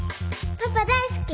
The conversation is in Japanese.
パパ大好き！